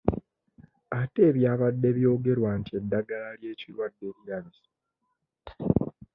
Ate ebyabadde byogerwa nti eddagala ly'ekirwadde lirabise?